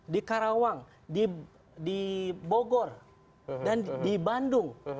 di karawang di bogor dan di bandung